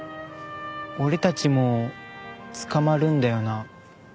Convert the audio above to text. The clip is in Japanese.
俺たちも捕まるんだよな？